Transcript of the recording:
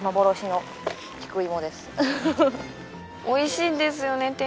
おいしいんですよね